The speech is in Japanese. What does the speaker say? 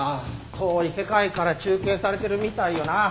遠い世界から中継されてるみたいよな。